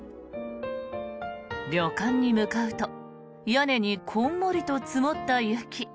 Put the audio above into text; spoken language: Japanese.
旅館に向かうと屋根にこんもりと積もった雪。